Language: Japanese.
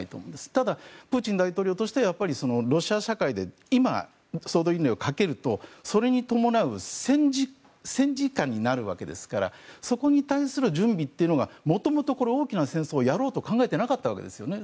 ただ、プーチン大統領としてはロシア社会で今、総動員令をかけるとそれに伴う戦時下になるわけですからそこに対する準備が元々これ大きな戦争をやろうと考えていなかったわけですね。